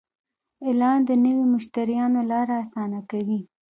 اعلان د نوي مشتریانو لاره اسانه کوي.